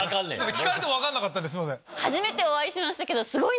聞かれても分かんなかったんですいません。